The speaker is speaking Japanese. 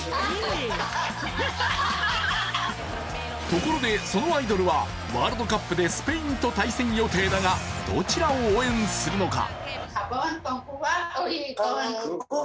ところで、そのアイドルはワールドカップでスペインと対戦予定だがどちらを応援するのか？